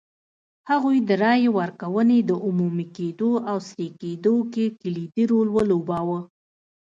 هغوی د رایې ورکونې د عمومي کېدو او سري کېدو کې کلیدي رول ولوباوه.